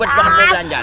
lu bet banget belanjaan